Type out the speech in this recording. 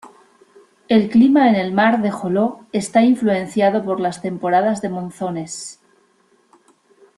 El clima en el mar de Joló está influenciado por las temporadas de monzones.